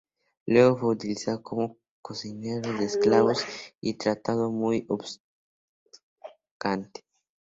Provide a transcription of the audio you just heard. Luego fue utilizado como cocinero de esclavos y tratado muy bruscamente.